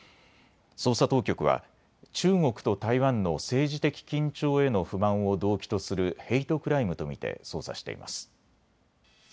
捜査当局は中国と台湾の政治的緊張への不満を動機とするヘイトクライムと見て捜査しています。